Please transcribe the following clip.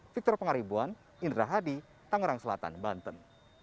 victor pengaribuan indra hadi tangerang selatan banten